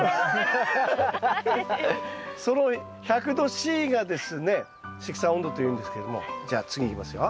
その１００℃がですね積算温度というんですけれどもじゃあ次いきますよ。